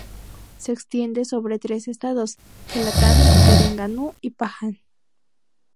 Se extiende sobre tres estados: Kelantan, Terengganu y Pahang.